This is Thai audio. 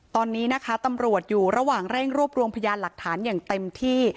ตอนนี้นะคะตำรวจอยู่ระหว่างเร่งรวบรวมพยานหลักฐานอย่างเต็มที่